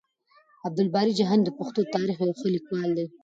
عبدالباري جهاني د پښتنو د تاريخ يو ښه ليکوال دی.